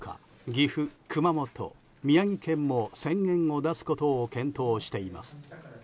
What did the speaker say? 岐阜、熊本、宮城県も宣言を出すことを検討しています。